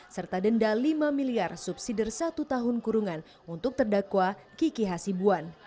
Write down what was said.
serta denda lima miliar subsidi satu tahun kurungan untuk terdakwa kiki hasibuan